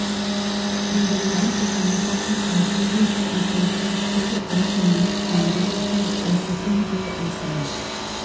They were able to confirm a previously reported K-isomer and detected a second K-isomer.